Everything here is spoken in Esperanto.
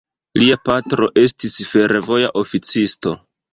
Lia patro estis fervoja oficisto.